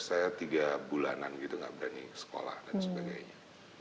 saya tiga bulanan gitu nggak berani sekolah dan sebagainya